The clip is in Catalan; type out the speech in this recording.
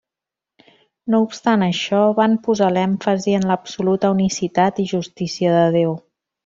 No obstant això, van posar l'èmfasi en l'absoluta unicitat i justícia de Déu.